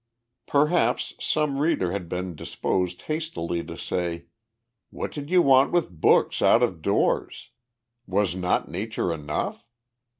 Perhaps some reader had been disposed hastily to say: "What did you want with hooks out of doors? Was not Nature enough?"